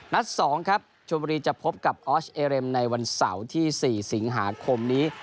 ๒ครับชมบุรีจะพบกับออสเอเรมในวันเสาร์ที่๔สิงหาคมนี้